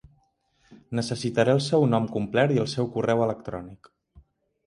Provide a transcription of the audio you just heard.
Necessitaré el seu nom complert i el seu correu electrònic.